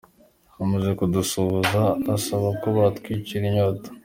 Amaze kudusuhuza, asaba ko batwicira inyota.